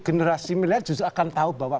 generasi milenial justru akan tahu bahwa